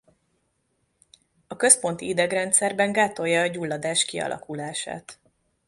A központi idegrendszerben gátolja a gyulladás kialakulását.